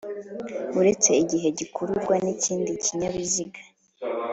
Uretse igihe gikururwa n'ikindi kinyabiziga